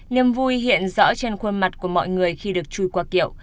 niềm vui hiện rõ trên khuôn mặt của mọi người khi được chui qua kiệu